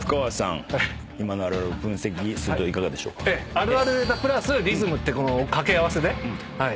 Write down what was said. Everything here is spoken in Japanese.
あるあるネタプラスリズムって掛け合わせではい。